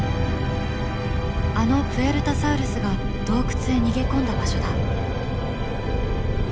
あのプエルタサウルスが洞窟へ逃げ込んだ場所だ。